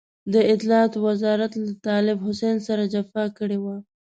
د اطلاعاتو وزارت له طالب حسين سره جفا کړې وه.